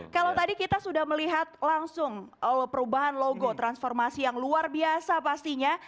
kalau tadi kita sudah melihat langsung perubahan logo transformasi yang luar biasa pastinya